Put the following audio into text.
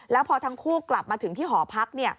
แล้วพอทั้งคู่กลับมาถึงที่หอพัก